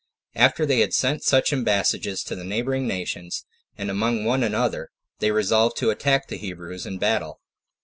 After they had sent such embassages to the neighboring nations, and among one another, they resolved to attack the Hebrews in battle.